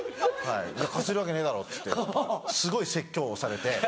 「貸せるわけねえだろ」っつってすごい説教をされて。